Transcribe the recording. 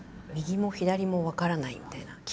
右も左も分からないみたいな。